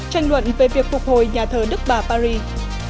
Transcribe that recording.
tranh luận về việc phục hồi nhà thờ đức bà paris